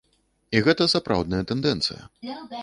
І гэта сапраўдная тэндэнцыя.